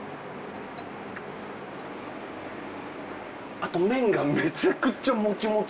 あと麺がめちゃくちゃもちもち